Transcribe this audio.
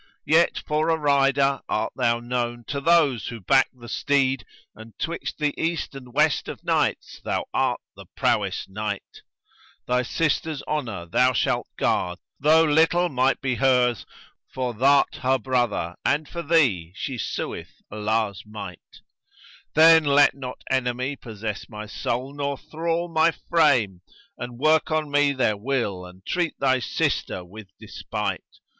Yet for a rider art thou known to those who back the steed, * And twixt the East and West of knights thou art the prowess knight: Thy sister's honour thou shalt guard though little might be hers, * For thou'rt her brother and for thee she sueth Allah's might: Then let not enemy possess my soul nor 'thrall my frame, * And work on me their will and treat thy sister with despight.